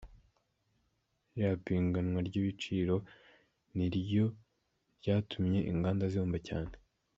ririya piganwa ry’ibiciro ni ryo ryatumye inganda zihomba cyane.